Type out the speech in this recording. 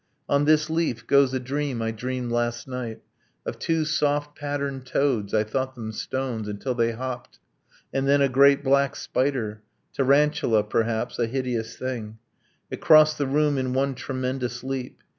On this leaf, goes a dream I dreamed last night Of two soft patterned toads I thought them stones, Until they hopped! And then a great black spider, Tarantula, perhaps, a hideous thing, It crossed the room in one tremendous leap.